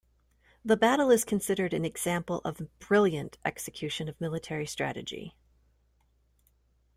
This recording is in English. The battle is considered an example of brilliant execution of military strategy.